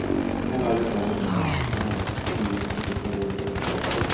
Hay varios baños romanos, árabes, y judíos que se puede ver en Toledo.